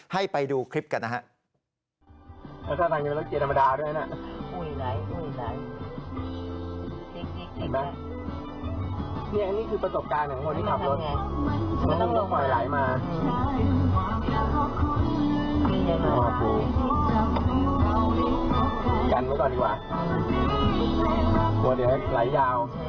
ให้ไปดูคลิปกันนะฮะ